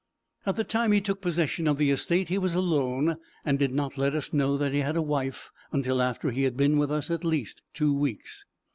At the time he took possession of the estate, he was alone, and did not let us know that he had a wife, until after he had been with us at least two weeks.